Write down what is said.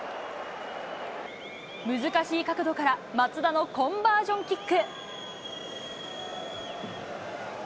難しい角度から、松田のコンバージョンキック。